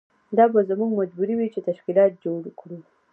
دا به زموږ مجبوري وي چې تشکیلات جوړ کړو.